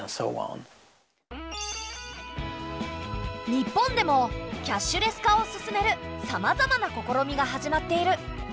日本でもキャッシュレス化を進めるさまざまな試みが始まっている。